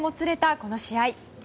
この試合。